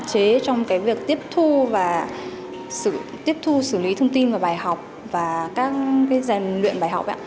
chế trong việc tiếp thu và tiếp thu xử lý thông tin và bài học và các dàn luyện bài học